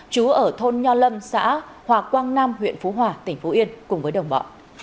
chú ở thôn nho lâm xã hòa quang nam huyện phú hòa tỉnh phú yên cùng với đồng bọn